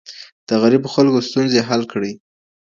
د غریبو خلګو ستونزي حل کړئ.